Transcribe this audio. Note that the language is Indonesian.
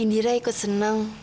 indira ikut senang